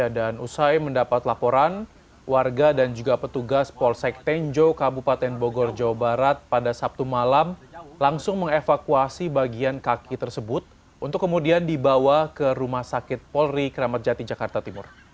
dan usai mendapat laporan warga dan juga petugas polsek tenjo kabupaten bogor jawa barat pada sabtu malam langsung mengevakuasi bagian kaki tersebut untuk kemudian dibawa ke rumah sakit polri kramat jati jakarta timur